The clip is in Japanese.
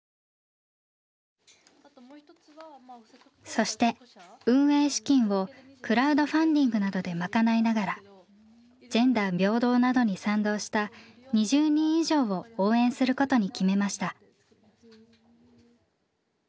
そして運営資金をクラウドファンディングなどで賄いながらジェンダー平等などに賛同した２０人以上を応援することに決めました。